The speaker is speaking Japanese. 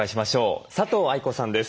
佐藤藍子さんです。